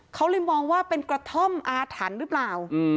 เขาเลยมองว่าเป็นกระท่อมอาถรรพ์หรือเปล่า